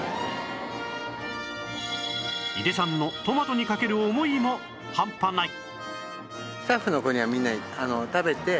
井出さんのトマトにかける思いもハンパない